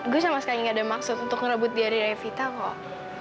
gue sama sekali gak ada maksud untuk ngerebut dia dari revita kok